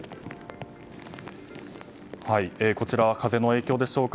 こちらは風の影響でしょうか。